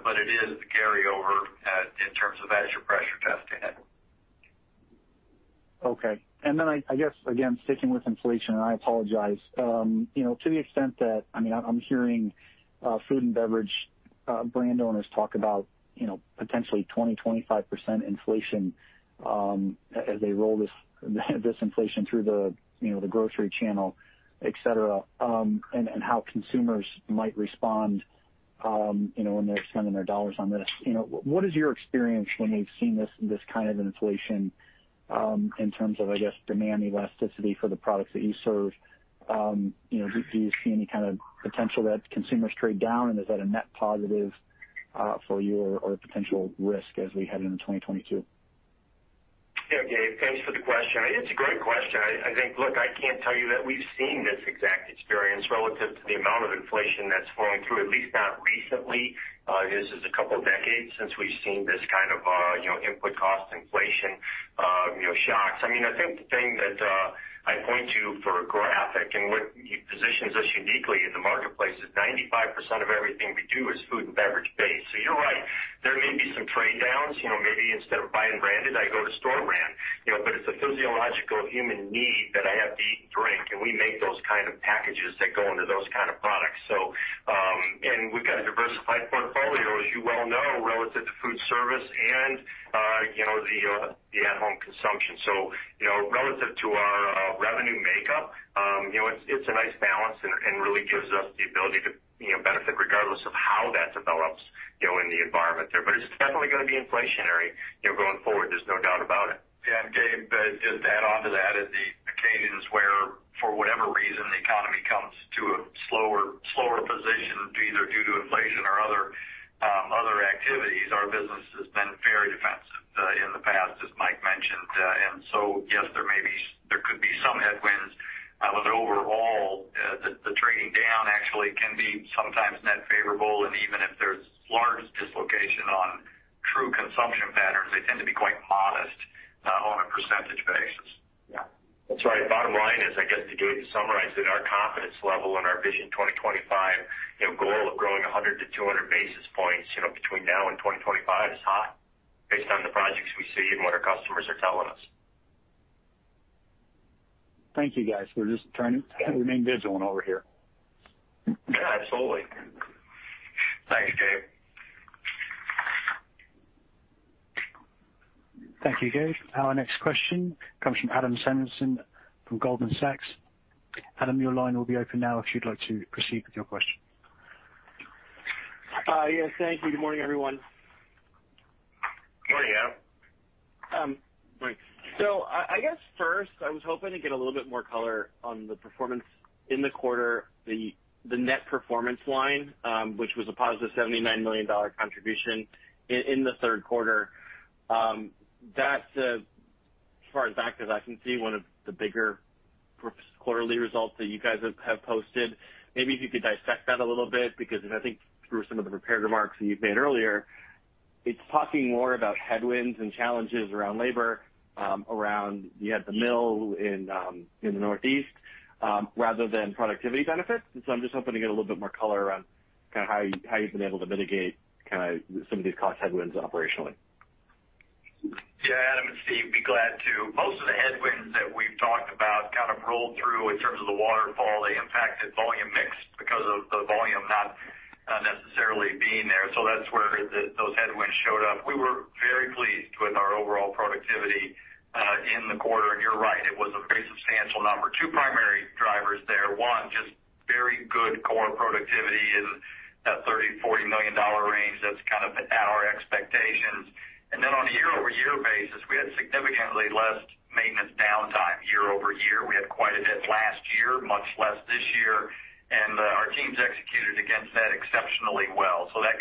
But it is the carryover in terms of as you're pressure testing it. Okay. I guess, again, sticking with inflation, and I apologize, you know, to the extent that, I mean, I'm hearing food and beverage brand owners talk about, you know, potentially 20%-25% inflation, as they roll this inflation through the, you know, the grocery channel, etc, and how consumers might respond, you know, when they're spending their dollars on this. You know, what is your experience when you've seen this kind of inflation, in terms of, I guess, demand elasticity for the products that you serve? You know, do you see any kind of potential that consumers trade down? Is that a net positive, for you or a potential risk as we head into 2022? Yeah. Gabe, thanks for the question. It's a great question. I think, look, I can't tell you that we've seen this exact experience relative to the amount of inflation that's flowing through, at least not recently. This is a couple of decades since we've seen this kind of, you know, input cost inflation, you know, shocks. I mean, I think the thing that I point to for Graphic and what positions us uniquely in the marketplace is 95% of everything we do is food and beverage based. So you're right, there may be some trade downs, you know, maybe instead of buying branded, I go to store brand, you know, but it's a physiological human need that I have to eat and drink, and we make those kind of packages that go into those kind of products. We've got a diversified portfolio, as you well know, relative to foodservice and the at-home consumption. Relative to our revenue makeup, you know, it's a nice balance and really gives us the ability to, you know, benefit regardless of how that develops, you know, in the environment there. It's definitely gonna be inflationary, you know, going forward. There's no doubt about it. Yeah. Gabe, just add onto that is the occasions where, for whatever reason, the economy comes to a slower position, either due to inflation or other activities. Our business has been very defensive in the past, as Mike mentioned. Yes, there may be, there could be some headwinds, but overall, the trading down actually can be sometimes net favorable. Even if there's large dislocation on true consumption patterns, they tend to be quite modest on a percentage basis. Yeah. That's right. Bottom line is, I guess to Gabe, to summarize it, our confidence level and our Vision 2025, you know, goal of growing 100-200 basis points, you know, between now and 2025 is high based on the projects we see and what our customers are telling us. Thank you, guys. We're just trying to remain vigilant over here. Yeah, absolutely. Thanks, Gabe. Thank you, Gabe. Our next question comes from Adam Samuelson from Goldman Sachs. Adam, your line will be open now if you'd like to proceed with your question. Yes, thank you. Good morning, everyone. Good morning, Adam. I guess first I was hoping to get a little bit more color on the performance in the quarter, the net performance line, which was a positive $79 million contribution in the third quarter. That's, as far back as I can see, one of the bigger quarterly results that you guys have posted. Maybe if you could dissect that a little bit, because I think through some of the prepared remarks that you've made earlier, it's talking more about headwinds and challenges around labor, around you had the mill in the Northeast, rather than productivity benefits. I'm just hoping to get a little bit more color around kinda how you, how you've been able to mitigate kinda some of these cost headwinds operationally. Yeah, Adam and Steve, be glad to. Most of the headwinds that we've talked about kind of rolled through in terms of the waterfall. They impacted volume mix because of the volume not necessarily being there. That's where those headwinds showed up. We were very pleased with our overall productivity in the quarter. You're right, it was a very substantial number. Two primary drivers there. One, just very good core productivity in that $30 million-$40 million range. That's kind of at our expectations. Then on a year-over-year basis, we had significantly less maintenance downtime year-over-year. We had quite a bit last year, much less this year, and our teams executed against that exceptionally well. That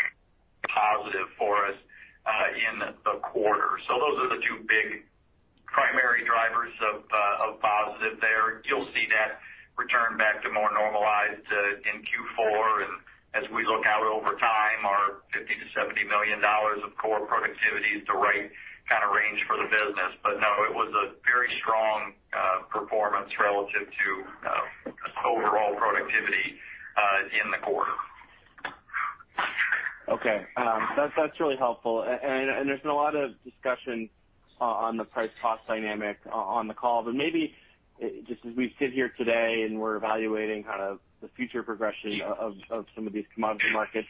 positive for us in the quarter. Those are the two big primary drivers of positive there. You'll see that return back to more normalized in Q4. As we look out over time, our $50 million-$70 million of core productivity is the right kind of range for the business. No, it was a very strong performance relative to overall productivity in the quarter. Okay. That's really helpful. There's been a lot of discussion on the price cost dynamic on the call, maybe just as we sit here today, and we're evaluating kind of the future progression of some of these commodity markets.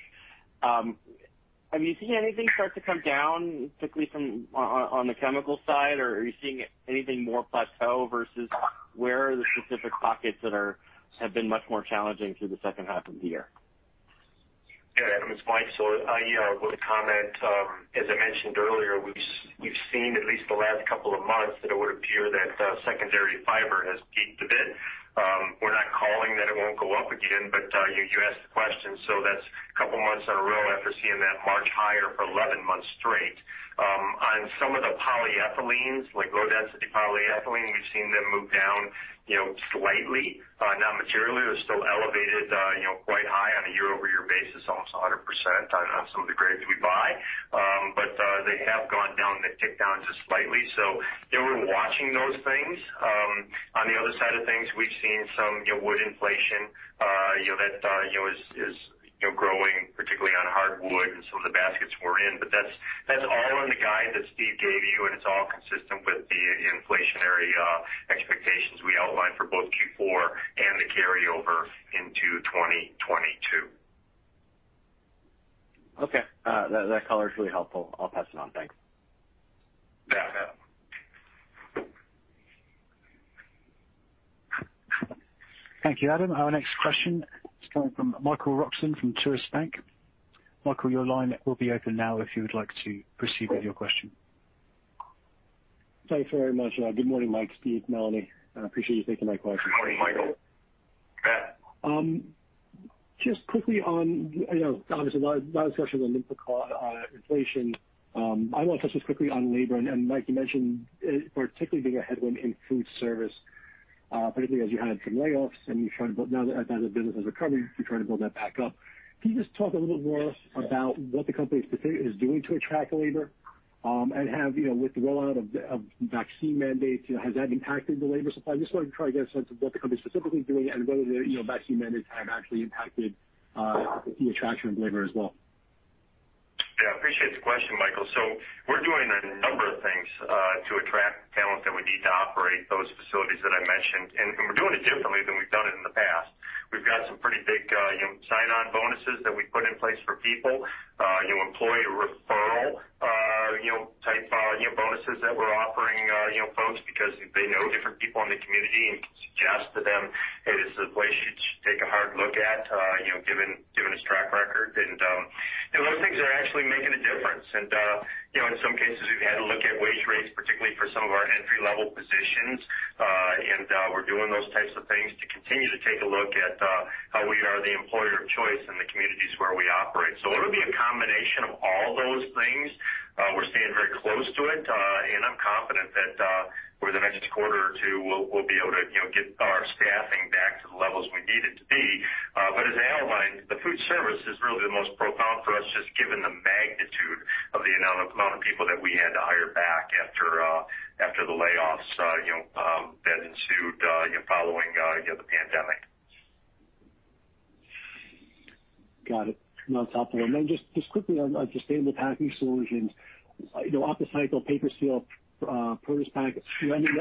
Have you seen anything start to come down, particularly on the chemical side? Or are you seeing anything more plateau versus where the specific pockets that have been much more challenging through the second half of the year? Yeah, Adam, it's Mike. I would comment, as I mentioned earlier, we've seen at least the last couple of months that it would appear that secondary fiber has peaked a bit. We're not calling that it won't go up again, but you asked the question. That's a couple of months in a row after seeing that much higher for 11 months straight. On some of the polyethylenes, like low density polyethylene, we've seen them move down, you know, slightly, not materially. They're still elevated, you know, quite high on a year-over-year basis, almost 100% on some of the grades we buy. They have gone down a tick down just slightly. Yeah, we're watching those things. On the other side of things, we've seen some wood inflation, you know, that you know is growing particularly on hardwood and some of the baskets we're in. That's all in the guide that Steve gave you, and it's all consistent with the inflationary expectations we outlined for both Q4 and the carryover into 2022. Okay. That color's really helpful. I'll pass it on. Thanks. Yeah. Thank you, Adam. Our next question is coming from Michael Roxland from Truist Securities. Michael, your line will be open now if you would like to proceed with your question. Thank you very much. Good morning, Mike, Steve, Melanie. I appreciate you taking my question. Morning, Michael. Just quickly on, you know, obviously a lot of discussion on inflation. I want to touch just quickly on labor. Mike, you mentioned particularly being a headwind in food service, particularly as you had some layoffs and you're trying to build that back up now that the business is recovering. Can you just talk a little bit more about what the company is doing to attract labor and, you know, with the rollout of vaccine mandates, has that impacted the labor supply? I just wanted to try to get a sense of what the company is specifically doing and whether the vaccine mandates have actually impacted the attraction of labor as well. Yeah, I appreciate the question, Michael. We're doing a number of things to attract talent that we need to operate those facilities that I mentioned. We're doing it differently than we've done it in the past. We've got some pretty big, you know, sign-on bonuses that we put in place for people, you know, employee referral, you know, type, you know, bonuses that we're offering, you know, folks because they know different people in the community and can suggest to them, "Hey, this is a place you should take a hard look at," you know, given its track record. Those things are actually making a difference. In some cases, we've had to look at wage rates, particularly for some of our entry level positions. We're doing those types of things to continue to take a look at how we are the employer of choice in the communities where we operate. It'll be a combination of all those things. We're staying very close to it, and I'm confident that over the next quarter or two, we'll be able to, you know, get our staffing back to the levels we need it to be. As I outlined, the food service is really the most profound for us, just given the magnitude of the amount of people that we had to hire back after the layoffs, you know, that ensued, you know, following, you know, the pandemic. Got it. No, it's helpful. Then just quickly on sustainable packaging solutions, you know, OptiCycle, PaperSeal, ProducePack,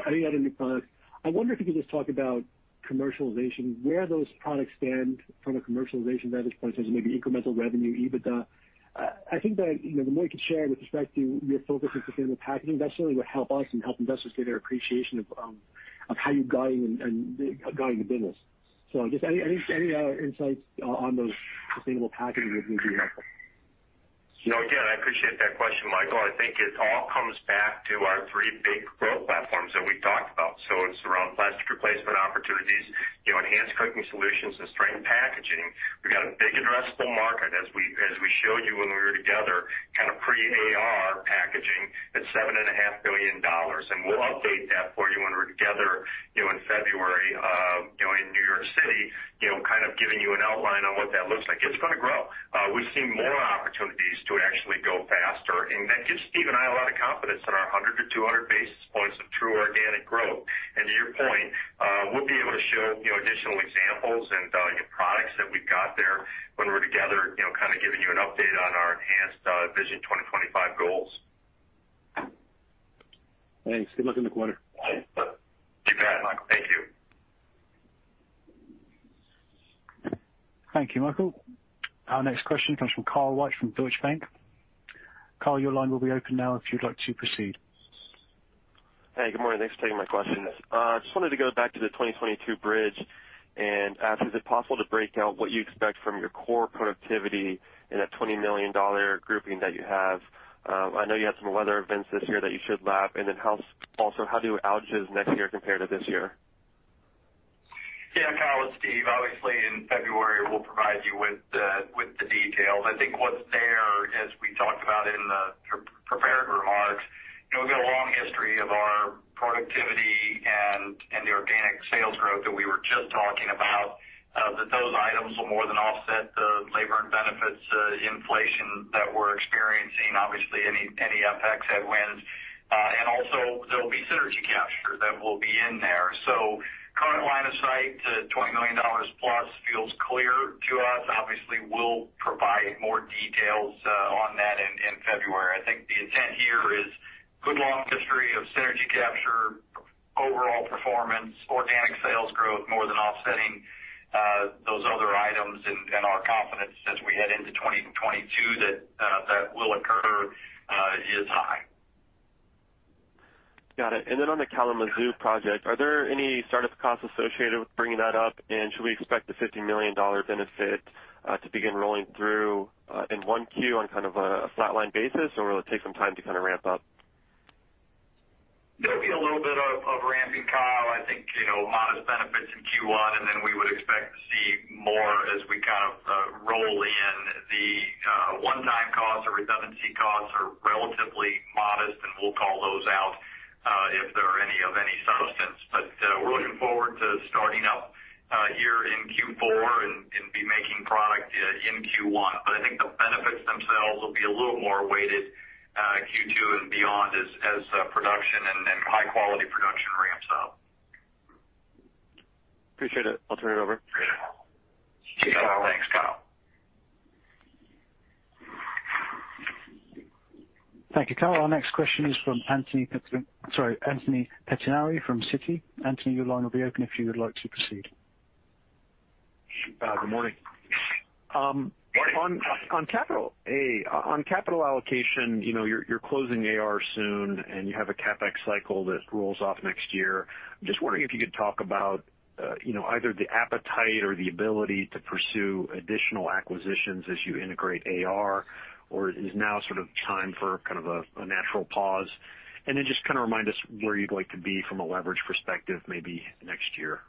any other new products. I wonder if you could just talk about commercialization, where those products stand from a commercialization vantage point as maybe incremental revenue, EBITDA. I think that, you know, the more you can share with respect to your focus with sustainable packaging, that certainly would help us and help investors get their appreciation of how you're guiding and guiding the business. I guess any insights on those sustainable packaging would be helpful. You know, again, I appreciate that question, Michael. I think it all comes back to our three big growth platforms that we talked about. It's around plastic replacement opportunities, you know, enhanced cooking solutions, and strength packaging. We've got a big addressable market as we showed you when we were together kind of pre-AR Packaging, that's $7.5 billion. We'll update that for you when we're together, you know, in February, you know, in New York City, you know, kind of giving you an outline on what that looks like. It's going to grow. We've seen more opportunities to actually go faster. That gives Steve and I a lot of confidence in our 100-200 basis points of true organic growth. To your point, we'll be able to show, you know, additional examples and, you know, products that we've got there when we're together, you know, kind of giving you an update on our enhanced Vision 2025 goals. Thanks. Good luck in the quarter. You bet, Michael. Thank you. Thank you, Michael. Our next question comes from Kyle White from Deutsche Bank. Kyle, your line will be open now if you'd like to proceed. Hey, good morning. Thanks for taking my questions. Just wanted to go back to the 2022 bridge and ask, is it possible to break out what you expect from your core productivity in that $20 million grouping that you have? I know you had some weather events this year that you should lap, and then how do outages next year compare to this year? Yeah. Kyle, it's Steve. Obviously, in February, we'll provide you with the details. I think what's there, as we talked about in the prepared remarks, you know, we've got a long history of our productivity and the organic sales growth that we were just talking about, that those items will more than offset the labor and benefits inflation that we're experiencing, obviously, any FX headwinds. Also there will be synergy capture that will be in there. Current line of sight to $20 million plus feels clear to us. Obviously, we'll provide more details on that in February. I think the intent here is good long history of synergy capture, overall performance, organic sales growth more than offsetting those other items and our confidence as we head into 2022 that will occur is high. Got it. On the Kalamazoo project, are there any startup costs associated with bringing that up? Should we expect the $50 million benefit to begin rolling through in 1Q on kind of a flat line basis, or will it take some time to kinda ramp up? There'll be a little bit of ramping, Kyle. I think, you know, modest benefits in Q1, and then we would expect to see more as we kind of roll in. The one-time costs or redundancy costs are relatively modest, and we'll call those out if there are any of substance. We're looking forward to starting up here in Q4 and be making product in Q1. I think the benefits themselves will be a little more weighted Q2 and beyond as production and high quality production ramps up. Appreciate it. I'll turn it over. Appreciate it. Take care. Thanks, Kyle. Thank you, Kyle. Our next question is from Anthony Pettinari from Citi. Anthony, your line will be open if you would like to proceed. Good morning. Morning. On capital allocation, you know, you're closing AR soon, and you have a CapEx cycle that rolls off next year. Just wondering if you could talk about, you know, either the appetite or the ability to pursue additional acquisitions as you integrate AR, or is now sort of time for kind of a natural pause? Then just kinda remind us where you'd like to be from a leverage perspective maybe next year.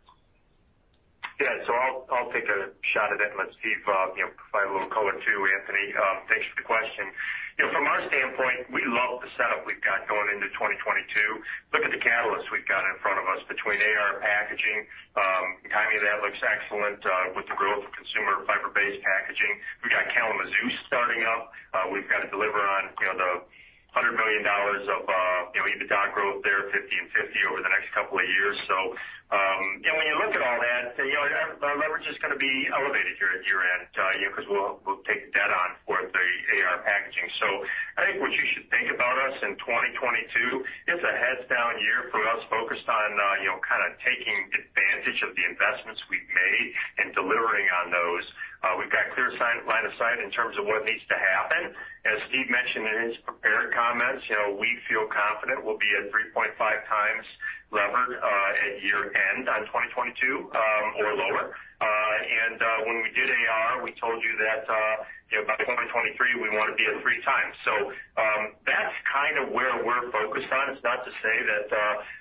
Yeah. I'll take a shot at it and let Steve provide a little color too, Anthony. Thanks for the question. You know, from our standpoint, we love the setup we've got going into 2022. Look at the catalysts we've got in front of us between AR Packaging. The economy of that looks excellent with the growth of consumer fiber-based packaging. We've got Kalamazoo starting up. We've got to deliver on, you know, the $100 million of EBITDA growth there, 50 and 50 over the next couple of years. You know, when you look at all that, you know, our leverage is gonna be elevated here at year-end, you know, 'cause we'll take debt on for the AR Packaging. I think what you should think about us in 2022, it's a heads down year for us focused on, you know, kinda taking advantage of the investments we've made and delivering on those. We've got clear line of sight in terms of what needs to happen. As Steve mentioned in his prepared comments, you know, we feel confident we'll be at 3.5x lever at year-end 2022 or lower. When we did AR, we told you that, you know, by 2023, we wanna be at 3x. That's kind of where we're focused on. It's not to say that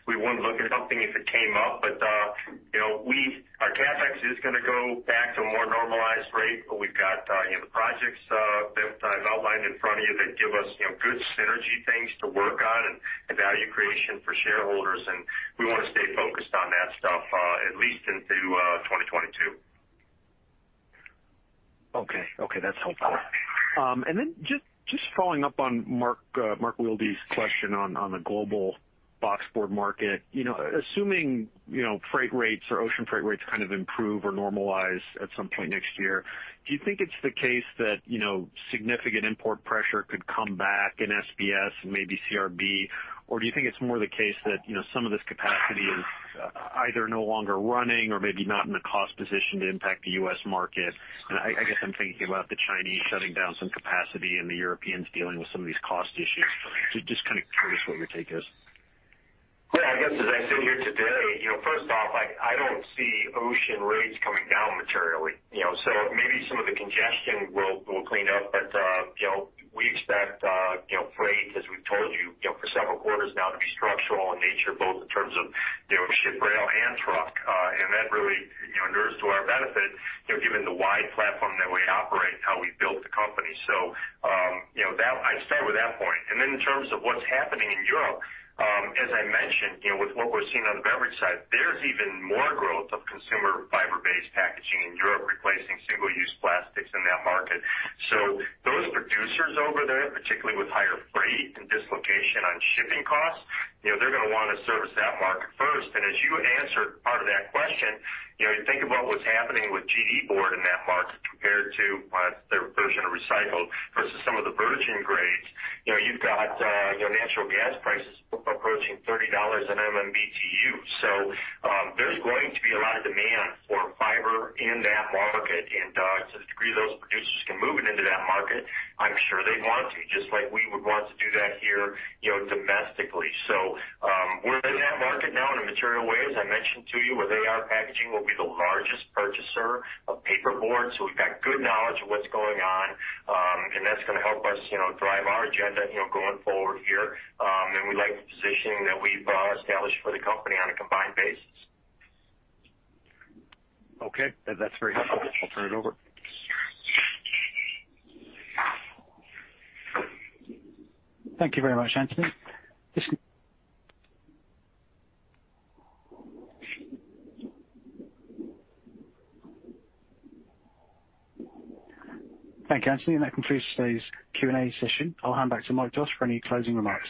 we wouldn't look at something if it came up, but you know, our CapEx is gonna go back to a more normalized rate, but we've got you know, the projects that I've outlined in front of you that give us you know, good synergy things to work on and value creation for shareholders. We wanna stay focused on that stuff at least into 2022. Okay. Okay, that's helpful. Just following up on Mark Wilde's question on the global boxboard market. You know, assuming, you know, freight rates or ocean freight rates kind of improve or normalize at some point next year, do you think it's the case that, you know, significant import pressure could come back in SBS and maybe CRB? Or do you think it's more the case that, you know, some of this capacity is either no longer running or maybe not in the cost position to impact the U.S. market? I guess I'm thinking about the Chinese shutting down some capacity and the Europeans dealing with some of these cost issues. Just kinda curious what your take is. Yeah, I guess as I sit here today, you know, first off, I don't see ocean rates coming down materially, you know. So maybe some of the congestion will clean up, but, you know, we expect, you know, freight, as we've told you know, for several quarters now to be structural in nature, both in terms of, you know, ship, rail, and truck. And that really, you know, inures to our benefit, you know, given the wide platform that we operate and how we built the company. So, you know, that. I'd start with that point. In terms of what's happening in Europe, as I mentioned, you know, with what we're seeing on the beverage side, there's even more growth of consumer fiber-packaging in Europe replacing single-use plastics in that market. Those producers over there, particularly with higher freight and dislocation on shipping costs, you know they're gonna wanna service that market first. As you answered part of that question, you know you think about what's happening with GD board in that market compared to their version of recycled versus some of the virgin grades. You know you've got, you know, natural gas prices approaching $30 per MMBtu. There's going to be a lot of demand for fiber in that market. To the degree those producers can move it into that market, I'm sure they'd want to, just like we would want to do that here, you know, domestically. We're in that market now in a material way, as I mentioned to you, where AR Packaging will be the largest purchaser of paperboard. We've got good knowledge of what's going on. That's gonna help us, you know, drive our agenda, you know, going forward here. We like the positioning that we've established for the company on a combined basis. Okay. That's very helpful. I'll turn it over. Thank you very much, Anthony. That concludes today's Q&A session. I'll hand back to Mike Doss for any closing remarks.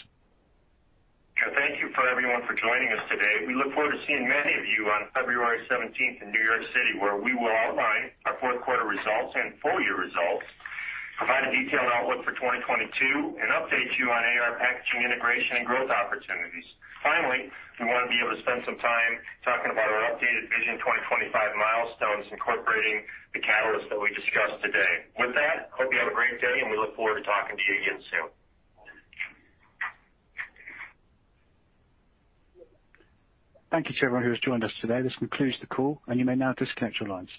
Thank you for everyone for joining us today. We look forward to seeing many of you on February 17 in New York City, where we will outline our fourth quarter results and full year results, provide a detailed outlook for 2022, and update you on AR Packaging integration and growth opportunities. Finally, we want to be able to spend some time talking about our updated Vision 2025 milestones incorporating the catalyst that we discussed today. With that, I hope you have a great day, and we look forward to talking to you again soon. Thank you to everyone who has joined us today. This concludes the call, and you may now disconnect your lines.